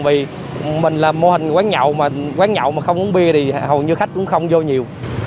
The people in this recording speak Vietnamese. vì mình làm mô hình quán nhậu mà quán nhậu mà không uống bia thì hầu như khách cũng không vô nhiều